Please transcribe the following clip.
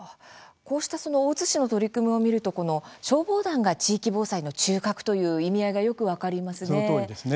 こうした大津市の取り組みを見ると消防団が地域防災の中核という意味合いが、よく分かりますね。